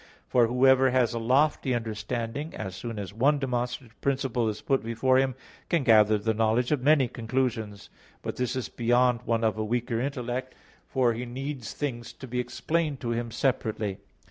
For whoever has a lofty understanding, as soon as one demonstrative principle is put before him can gather the knowledge of many conclusions; but this is beyond one of a weaker intellect, for he needs things to be explained to him separately.